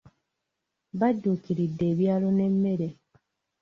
Badduukiridde ebyalo n'emmere.